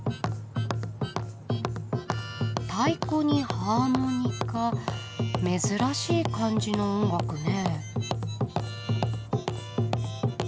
太鼓にハーモニカ珍しい感じの音楽ね。